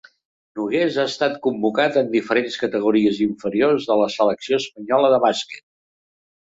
Nogués ha estat convocat en diferents categories inferiors de la selecció espanyola de bàsquet.